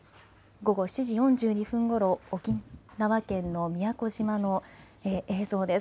午後７時４２分ごろ、沖縄県の宮古島の映像です。